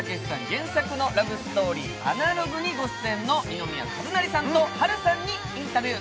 原作のラブストーリー、「アナログ」にご出演の二宮和也さんと波瑠さんにインタビュー。